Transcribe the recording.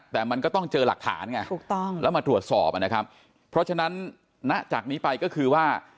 แต่มันก็ต้องเจอหลักฐานไงถูกต้องแล้วมาตรวจสอบนะครับเพราะฉะนั้นณจากนี้ไปก็คือว่า